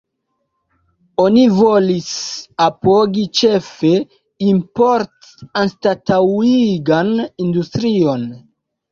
Oni volis apogi ĉefe importanstataŭigan industrion.